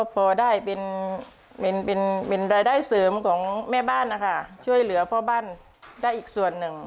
พอได้เป็นรายได้เสริมของแม่บ้านนะคะช่วยเหลือพ่อบ้านได้อีกส่วนหนึ่ง